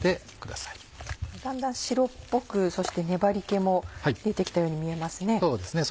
だんだん白っぽくそして粘り気も出て来たように見えますね。